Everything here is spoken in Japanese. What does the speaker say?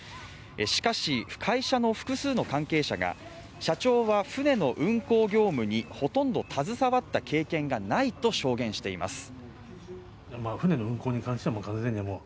しかし会社の複数の関係者が社長は船の運航業務にほとんど携わった経験がないと証言しています